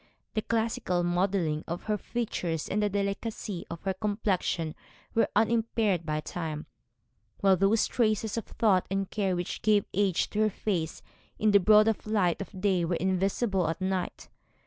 The classical modelling of her features and the delicacy of her complexion were unimpaired by time, while those traces of thought and care which gave age to her face in the broad light of day were invisible at night.